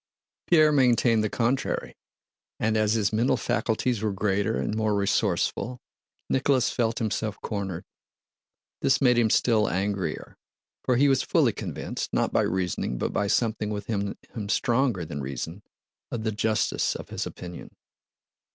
Pierre maintained the contrary, and as his mental faculties were greater and more resourceful, Nicholas felt himself cornered. This made him still angrier, for he was fully convinced, not by reasoning but by something within him stronger than reason, of the justice of his opinion.